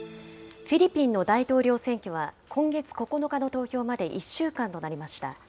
フィリピンの大統領選挙は、今月９日の投票まで１週間となりました。